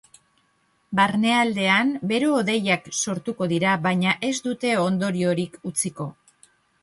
Barnealdean bero-hodeiak sortuko dira baina ez dute ondoriorik utziko.